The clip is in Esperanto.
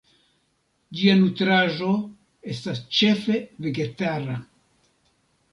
Ĝia nutraĵo estas ĉefe vegetara.